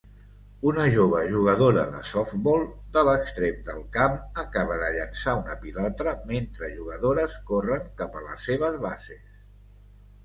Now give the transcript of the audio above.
Una jove jugadora de softbol de l'extrem del camp acaba de llançar una pilota mentre jugadores corren cap a les seves bases.